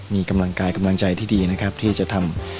มีกำลังกายกำลังใจที่ดีนะครับที่จะทำ